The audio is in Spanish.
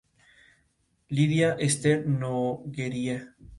El sistema se basa en un cilindro estriado.